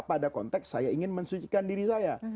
pada konteks saya ingin mensucikan diri saya